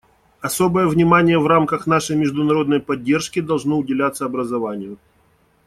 Особое внимание в рамках нашей международной поддержки должно уделяться образованию.